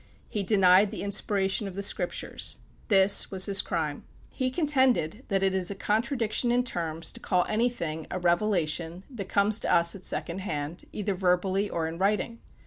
He denied the inspiration of the Scriptures. This was his crime. He contended that it is a contradiction in terms to call anything a revelation that comes to us at second hand, either verbally or in writing.